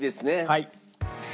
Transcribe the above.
はい。